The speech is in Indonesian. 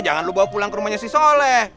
jangan lo bawa pulang ke rumahnya si soleh